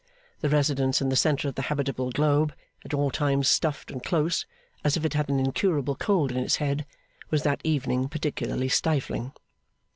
The residence in the centre of the habitable globe, at all times stuffed and close as if it had an incurable cold in its head, was that evening particularly stifling.